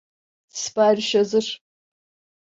Sipariş hazır!